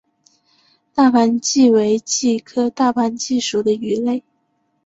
大盘䲟为䲟科大盘䲟属的鱼类。